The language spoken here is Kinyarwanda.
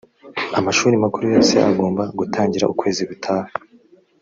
amashuri makuru yose agomba gutangira ukwezi gutaha